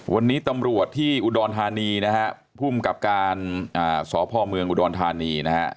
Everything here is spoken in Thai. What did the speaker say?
วันนี้ตำรวจที่อุดรธานีภูมิกับการสอบพ่อเมืองอุดรธานี